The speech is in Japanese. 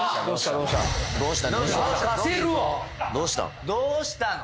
どうした？